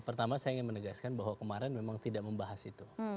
pertama saya ingin menegaskan bahwa kemarin memang tidak membahas itu